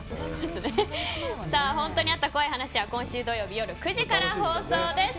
「ほんとにあった怖い話」は今週土曜日夜９時から放送です。